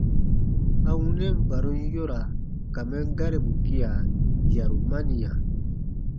A wunɛn barum yoraa ka mɛn garibu gia, yarumaniya.